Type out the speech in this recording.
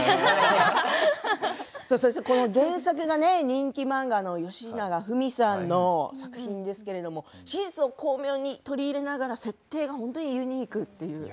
原作が人気漫画のよしながふみさんの作品ですけれども史実を巧妙に取り入れながら設定が本当にユニークという。